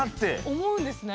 おもうんですね。